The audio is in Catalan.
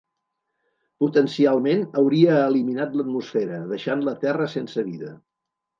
Potencialment hauria eliminat l'atmosfera, deixant la Terra sense vida.